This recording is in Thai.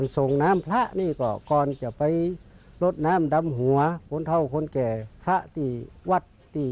ทุกอย่างหมอแตะเลย